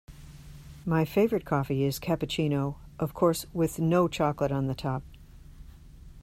My favourite coffee is cappuccino, of course with no chocolate on the top